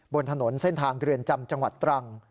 บนถนนเส้นทางเรือนจำจังหวัดตรัง